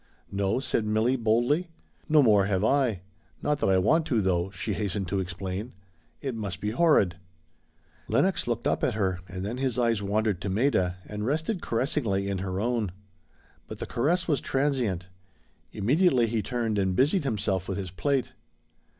"No?" said Milly, boldly; "no more have I. Not that I want to, though," she hastened to explain. "It must be horrid." Lenox looked up at her and then his eyes wandered to Maida, and rested caressingly in her own. But the caress was transient. Immediately he turned and busied himself with his plate.